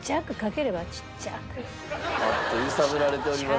揺さぶられております。